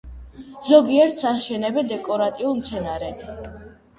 ზოგიერთს აშენებენ დეკორატიულ მცენარედ.